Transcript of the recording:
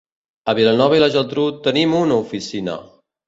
A Vilanova i la Geltrú tenim una oficina.